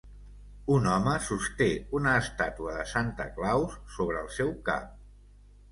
Un home sosté una estàtua de Santa Claus sobre el seu cap.